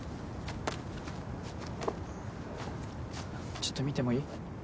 ちょっと見てもいい？